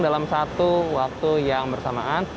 dalam satu waktu yang bersamaan